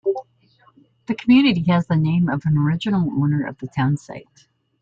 The community has the name of an original owner of the town site.